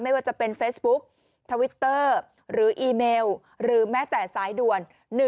ไม่ว่าจะเป็นเฟซบุ๊กทวิตเตอร์หรืออีเมลหรือแม้แต่สายด่วน๑๕